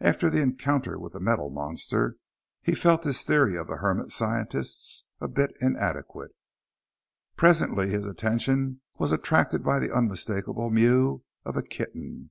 After the encounter with the metal monster, he felt his theory of the hermit scientists a bit inadequate. Presently his attention was attracted by the unmistakable mew of a kitten.